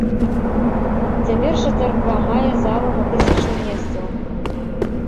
Цяпер жа царква мае залу на тысячу месцаў.